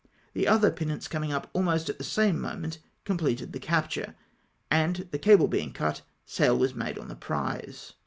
The other pinnace coming up almost at the same moment com pleted the capture, and the cable being cut, sail was made on the prize.